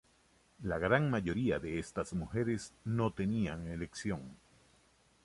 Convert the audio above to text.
La gran mayoría de estas mujeres no tenían elección.